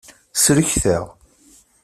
Sellket-aɣ.